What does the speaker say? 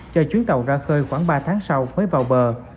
cho chuyến tàu ra khơi khoảng ba tháng sau mới vào bờ